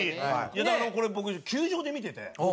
だからこれ僕球場で見てて。